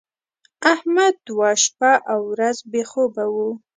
احمد دوه شپه او ورځ بې خوبه و.